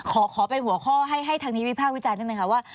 ขอเป็นหัวข้อให้ทางนี้วิพากษ์วิจัยนึงนะครับว่า